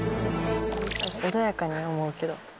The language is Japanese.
穏やかに思うけど。